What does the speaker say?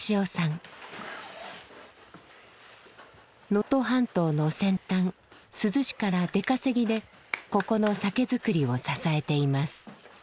能登半島の先端珠洲市から出稼ぎでここの酒造りを支えています。